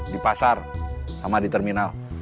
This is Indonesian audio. di pasar sama di terminal